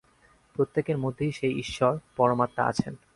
প্রত্যেকের মধ্যেই সেই ঈশ্বর, পরমাত্মা আছেন।